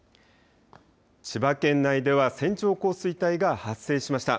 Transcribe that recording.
千葉県内では線状降水帯が発生しました。